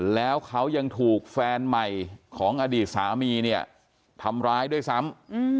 แล้วเขายังถูกแฟนใหม่ของอดีตสามีเนี่ยทำร้ายด้วยซ้ำ